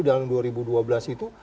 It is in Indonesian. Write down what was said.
dalam dua ribu dua belas itu